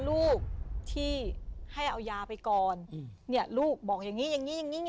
ลูกที่ให้เอายาไปก่อนอืมเนี่ยลูกบอกอย่างงี้อย่างงี้อย่างงี้